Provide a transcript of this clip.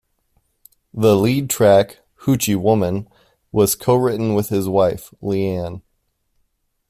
The lead track "Hoochie Woman" was cowritten with his wife, Leann.